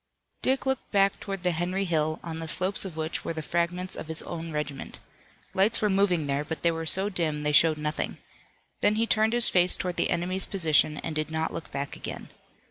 Dick looked back toward the Henry Hill, on the slopes of which were the fragments of his own regiment. Lights were moving there, but they were so dim they showed nothing. Then he turned his face toward the enemy's position and did not look back again.